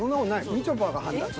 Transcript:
みちょぱが判断して。